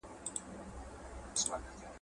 پوهه د ژوند په ټولو برخو کې د لارښود رول لوبوي.